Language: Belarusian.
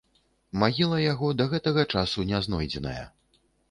Магіла яго да гэтага часу не знойдзеная.